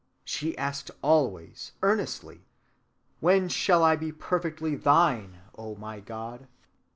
She asked always earnestly, 'When shall I be perfectly thine, O my God?